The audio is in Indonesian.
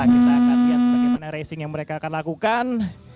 kita akan lihat bagaimana racing yang mereka akan lakukan